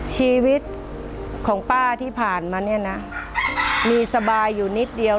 ชีวิตของป้าที่ผ่านมาเนี่ยนะมีสบายอยู่นิดเดียว